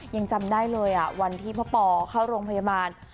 ยังจำได้เลยวันที่พ่อปอเข้าโรงพยาบาล